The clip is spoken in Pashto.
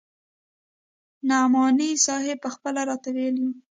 نعماني صاحب پخپله راته ويلي وو.